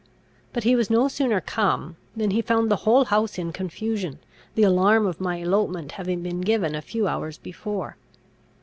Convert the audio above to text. But he was no sooner come, than he found the whole house in confusion, the alarm of my elopement having been given a few hours before.